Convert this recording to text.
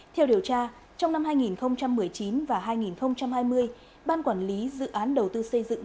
theo điều tra trong năm hai nghìn một mươi chín và hai nghìn hai mươi ban quản lý dự án đầu tư xây dựng